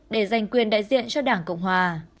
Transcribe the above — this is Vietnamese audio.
để giành quyền đại diện cho đảng cộng hòa